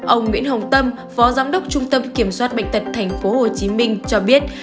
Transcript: ông nguyễn hồng tâm phó giám đốc trung tâm kiểm soát bệnh tật tp hcm cho biết